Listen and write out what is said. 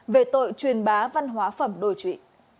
về tội truyền bá văn hóa phẩm đồ trụy